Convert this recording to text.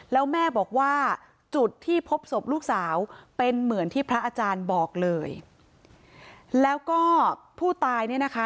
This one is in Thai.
แล้วแม่บอกว่าจุดที่พบศพลูกสาวเป็นเหมือนที่พระอาจารย์บอกเลยแล้วก็ผู้ตายเนี่ยนะคะ